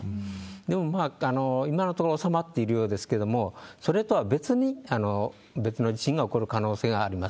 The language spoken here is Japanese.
でもまあ、今のところ、収まっているようですけれども、それとは別に、別の地震が起こる可能性があります。